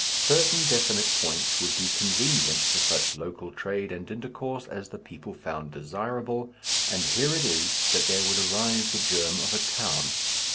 Certain definite points would be convenient for such local trade and intercourse as the people found desirable, and here it is that there would arise the germ of a town.